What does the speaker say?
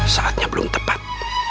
saatnya belum tepat